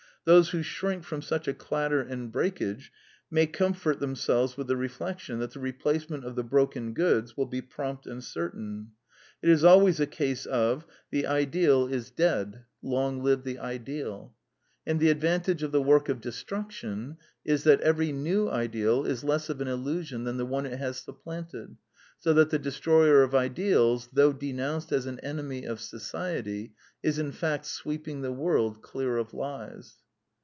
Those who shrink from such a clatter and breakage may comfort themselves with the reflection that the replace ment of the broken goods will be prompt and certain. It is always a case of " The ideal is 48 The Quintessence of Ibsenism dead: long live the ideal! " And the advantage of the work of destruction is that every new ideal is less of an illusion than the one it has sup planted; so that the destroyer of ideals, though denounced as an enemy of society, is in 'fact sweeping the world clear of lies.